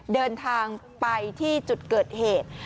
เดินทางไปที่จุดเกิดเหตุ